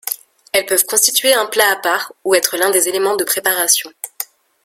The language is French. Elles peuvent constituer un plat à part ou être l'un des éléments de préparation.